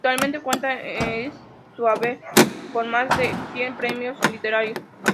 Actualmente cuenta es su haber con más de cien premios literarios.